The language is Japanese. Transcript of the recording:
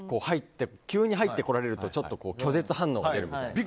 急に入ってこられるとちょっと拒絶反応が出るみたいな。